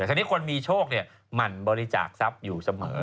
เพราะนี่คนมีโชคเนี่ยมันบริจาคทรัพย์อยู่เสมอ